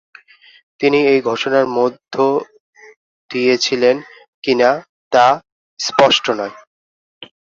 তিনি এই ঘোষণার মধ্য দিয়েছিলেন কিনা তা স্পষ্ট নয়।